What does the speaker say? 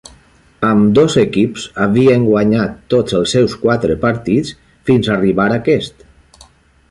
Ambdós equips havien guanyat tots els seus quatre partits fins a arribar a aquest.